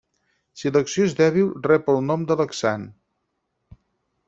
Si l'acció és dèbil, rep el nom de laxant.